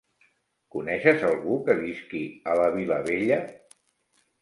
Coneixes algú que visqui a la Vilavella?